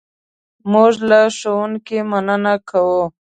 موږ له ښوونکي مننه کوو.